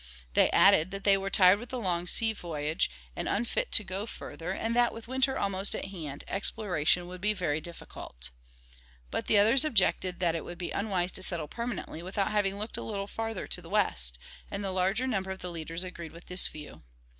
They added that they were tired with the long sea voyage and unfit to go further, and that with winter almost at hand exploration would be very difficult. But the others objected that it would be unwise to settle permanently without having looked a little farther to the west, and the larger number of the leaders agreed with this view.